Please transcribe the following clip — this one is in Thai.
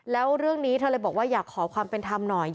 แล้วเรื่องนี้เธอเลยบอกว่าอยากขอความเป็นธรรมหน่อย